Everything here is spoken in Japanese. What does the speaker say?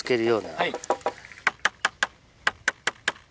はい。